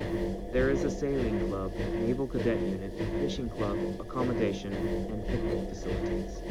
There is a sailing club, naval cadet unit, fishing club, accommodation, and picnic facilities.